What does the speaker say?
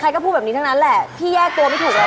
ก็พูดแบบนี้ทั้งนั้นแหละพี่แยกตัวไม่ถูกแล้ว